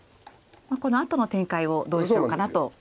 このあとの展開をどうしようかなと。